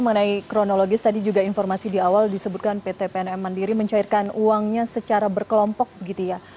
mengenai kronologis tadi juga informasi di awal disebutkan pt pnm mandiri mencairkan uangnya secara berkelompok begitu ya